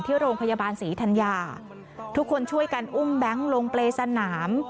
ที่โรงพยาบาลศรีธัญญาทุกคนช่วยกันอุ้มแบงค์ลงเปรย์สนาม